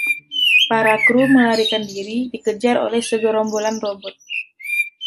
Para kru melarikan diri, dikejar oleh segerombolan robot.